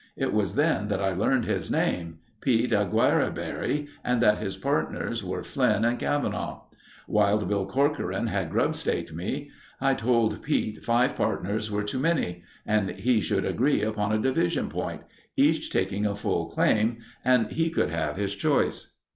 It was then that I learned his name—Pete Auguerreberry and that his partners were Flynn and Cavanaugh. Wild Bill Corcoran had grubstaked me. I told Pete five partners were too many and we should agree upon a division point—each taking a full claim and he could have his choice.